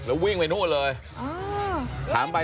โอ้โหมากเลย